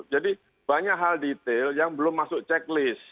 jadi banyak hal detail yang belum masuk checklist